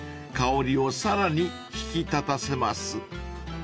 ［香りをさらに引き立たせます］